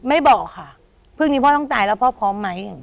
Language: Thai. ไม่บอกค่ะพรุ่งนี้พ่อต้องตายแล้วพ่อพร้อมไหม